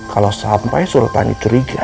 kalau sampai surutani curiga